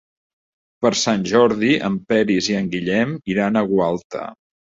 Per Sant Jordi en Peris i en Guillem iran a Gualta.